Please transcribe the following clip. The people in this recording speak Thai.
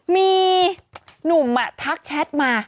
มีหนุ่มทักแชทมา